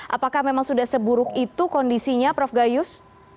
apakah memang sudah seburuk itu kondisinya prof gayus